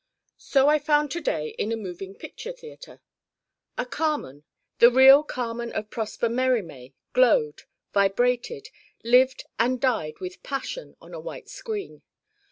So I found to day in a moving picture theater. A Carmen, the real Carmen of Prosper Mérimée glowed, vibrated, lived and died with passion on a white screen.